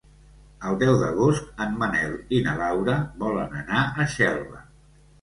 El deu d'agost en Manel i na Laura volen anar a Xelva.